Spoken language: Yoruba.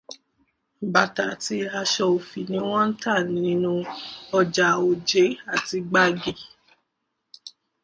Bàtà àti aṣọ òfi ni wọn ń tà nínú ọjà Òjé àti Gbági.